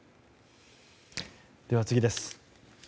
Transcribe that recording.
では、次です。